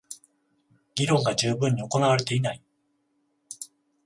議論が充分に行われていない